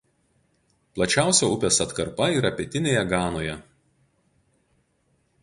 Plačiausia upės atkarpa yra pietinėje Ganoje.